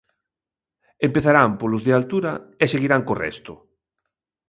Empezarán polos de altura e seguirán co resto.